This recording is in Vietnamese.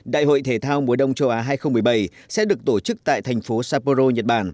đại hội thể thao mùa đông châu á hai nghìn một mươi bảy sẽ được tổ chức tại thành phố saporo nhật bản